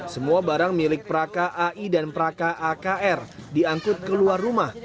semua barang milik praka ai dan praka akr diangkut keluar rumah